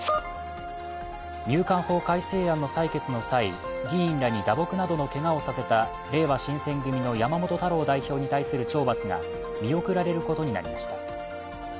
入管法改正案の採決の際議員らに打撲などのけがをさせたれいわ新選組の山本太郎代表に対する懲罰が見送られることになりました。